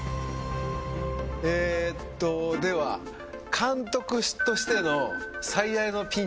えっとでは「監督としての最大のピンチは」っていう。